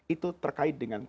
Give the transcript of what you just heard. itu terkait dengan